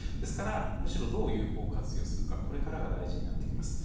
むしろどう有効活用するかこれからが大事になってきます。